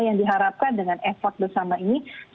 yang diharapkan dengan effort bersama ini